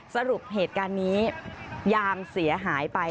สรุปเหตุการณ์นี้ยางเสียหายไป